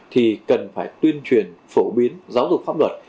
thì cần phải tuyên truyền phổ biến giáo dục pháp luật